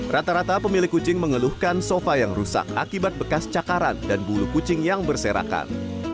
rata rata pemilik kucing mengeluhkan sofa yang rusak akibat bekas cakaran dan bulu kucing yang berserakan